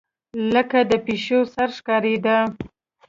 لکه د پيشو سر ښکارېدۀ